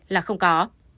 là không có